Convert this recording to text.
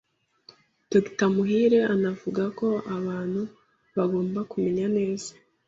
Dr. Muhire anavuga ko abantu bagomba kumenya neza